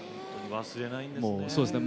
忘れないんですね。